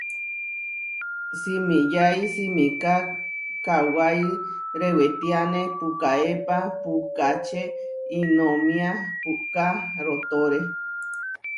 Simiyái simiká kawái rewétiane pukaépa puʼkáče Iʼnómia puʼká rootóre.